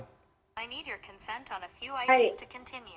saya membutuhkan pemerintah anda untuk beberapa hal yang harus dilakukan